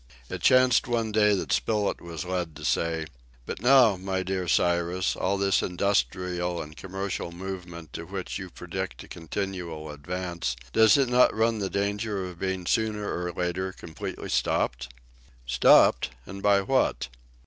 It chanced one day that Spilett was led to say "But now, my dear Cyrus, all this industrial and commercial movement to which you predict a continual advance, does it not run the danger of being sooner or later completely stopped?" "Stopped! And by what?"